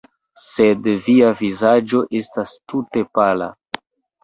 Sed via vizaĝo estas tute pala!